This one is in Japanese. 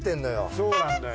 そうなんだよ。